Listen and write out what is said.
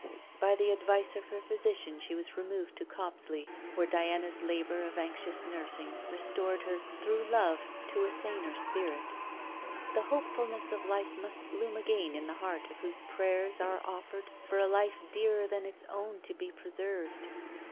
By the advice of her physician she was removed to Copsley, where Diana's labour of anxious nursing restored her through love to a saner spirit. The hopefulness of life must bloom again in the heart whose prayers are offered for a life dearer than its own to be preserved.